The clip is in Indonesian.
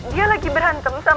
dia lagi berhantem sama nino